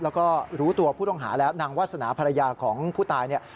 แล้วก็รู้ตัวผู้ต้องหาแล้วนางวาสนาภรรยาของผู้ตายเนี่ย